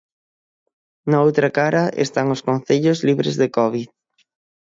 Na outra cara están os concellos libres de covid.